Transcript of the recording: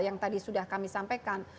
yang tadi sudah kami sampaikan